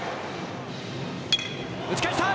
打ち返した！